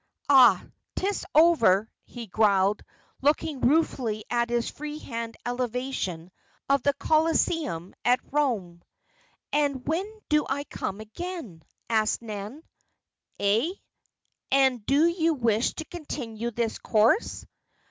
"Ah! 'tis over," he growled, looking ruefully at his free hand elevation of the Colosseum at Rome. "And when do I come again?" asked Nan. "Eh? And do you wish to continue this course?"